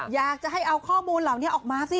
อยากจะให้เอาข้อมูลเหล่านี้ออกมาสิ